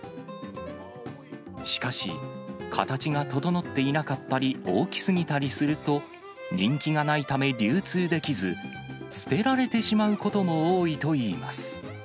しかし、形が整っていなかったり、大きすぎたりすると、人気がないため、流通できず、捨てられてしまうことも多いといいます。